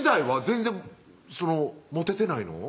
全然モテてないの？